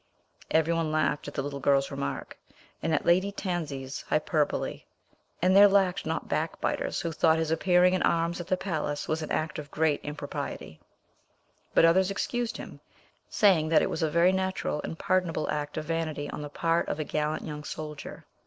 Every one laughed at the little girl's remark, and at Lady Tansi's hyperbole; and there lacked not back biters, who thought his appearing in arms at the palace was an act of great impropriety; but others excused him, saying that it was a very natural and pardonable act of vanity on the part of a gallant young soldier.